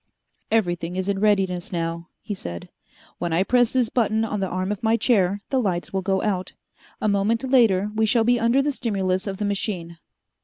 "Everything is in readiness now," he said. "When I press this button on the arm of my chair, the lights will go out. A moment later we shall be under the stimulus of the machine.